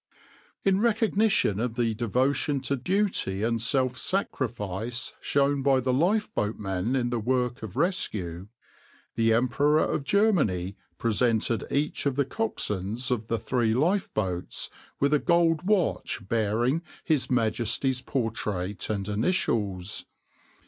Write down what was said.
\par In recognition of the devotion to duty and self sacrifice shown by the lifeboatmen in the work of rescue, the Emperor of Germany presented each of the coxswains of the three lifeboats with a gold watch bearing His Majesty's portrait and initials.